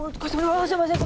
ああすいません